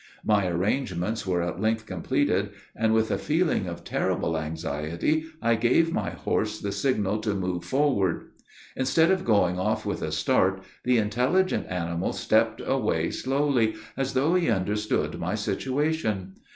My arrangements were at length completed, and, with a feeling of terrible anxiety, I gave my horse the signal to move forward. Instead of going off with a start, the intelligent animal stepped away slowly, as though he understood my situation.